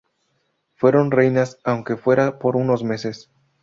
Fueron reinas aunque fuera por unos meses.